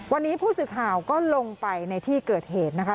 วันนี้ผู้สื่อข่าวก็ลงไปในที่เกิดเหตุนะคะ